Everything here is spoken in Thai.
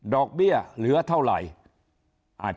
เบี้ยเหลือเท่าไหร่